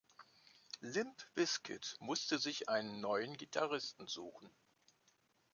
Limp Bizkit musste sich einen neuen Gitarristen suchen.